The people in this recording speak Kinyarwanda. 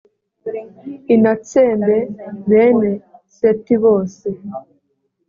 inatsembe bene seti bose.